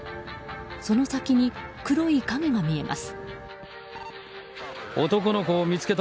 その先に黒い影が見えます。